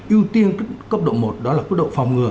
ưu tiên cấp độ một đó là cấp độ phòng ngừa